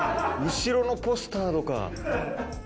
後ろのポスターとか。